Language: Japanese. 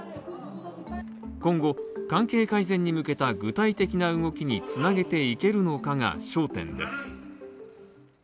今後、関係改善に向けた具体的な動きにつなげていけるのかが焦点です。